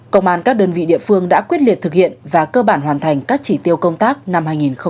công an các đơn vị địa phương đã quyết liệt thực hiện và cơ bản hoàn thành các chỉ tiêu công tác năm hai nghìn hai mươi